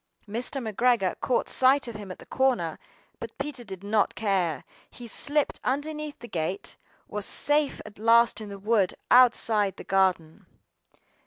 Mr. McGregor caught sight of him at the corner, but Peter did not care. He slipped underneath the gate, and was safe at last in the wood outside the garden.